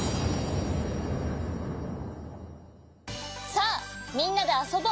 さあみんなであそぼう！